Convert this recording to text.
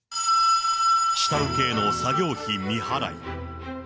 下請けへの作業費未払い。